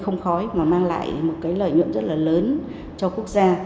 nó mang lại một cái lợi nhuận rất là lớn cho quốc gia